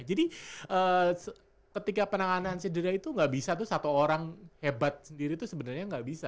jadi ketika penanganan cedera itu nggak bisa tuh satu orang hebat sendiri tuh sebenarnya nggak bisa gitu